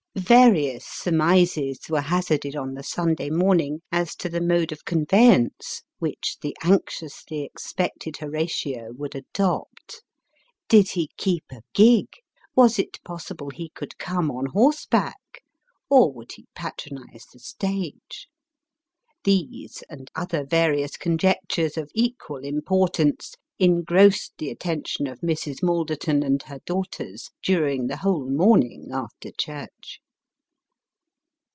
Various surmises were hazarded on the Sunday morning, as to the mode of conveyance which the anxiously expected Horatio would adopt. Did he keep a gig ? was it possible ho could come on horse back ? or would he patronize the stage ? These, and other various conjectures of equal importance, engrossed the attention of Mrs. Malderton and her daughters during the whole morning after church.